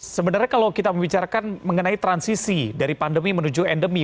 sebenarnya kalau kita membicarakan mengenai transisi dari pandemi menuju endemi